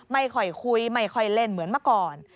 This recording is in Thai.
ไม่ค่อยคุยไม่ค่อยเล่นเหมือนเมื่อก่อน